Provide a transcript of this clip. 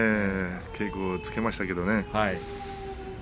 稽古はつけましたけれどもね。